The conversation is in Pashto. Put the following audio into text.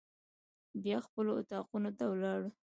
بیا خپلو اطاقونو ته ولاړو.